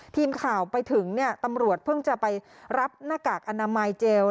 ทีมข่าวไปถึงเนี่ยตำรวจเพิ่งจะไปรับหน้ากากอนามัยเจล